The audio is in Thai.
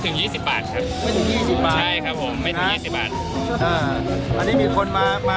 คุณอยากทดลองมั้ย